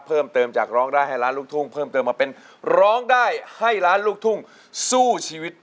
เพิ่มเติมจากร้องได้ให้ล้านลูกทุ่งเพิ่มเติมมาเป็นร้องได้ให้ล้านลูกทุ่งสู้ชีวิต